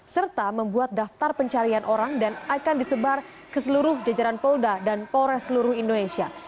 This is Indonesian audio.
serta membuat daftar pencarian orang dan akan disebar ke seluruh jajaran polda dan polres seluruh indonesia